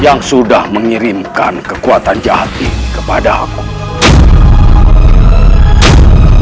yang sudah mengirimkan kekuatan jahat ini kepada aku